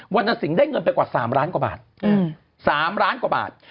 วรรดิสิงห์ได้เงินไปกว่า๓ล้านกว่าบาท